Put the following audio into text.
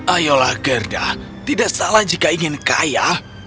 ayolah gerda tidak salah jika ingin kaya